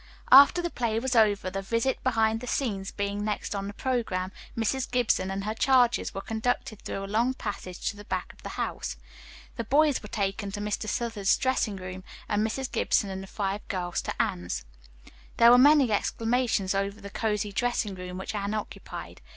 After the play was over, the visit behind the scenes being next on the programme, Mrs. Gibson and her charges were conducted through a long passage to the back of the house. The boys were taken to Mr. Southard's dressing room, and Mrs. Gibson and the five girls to Anne's. There were many exclamations over the cosy dressing room which Anne occupied.